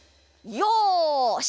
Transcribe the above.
よし！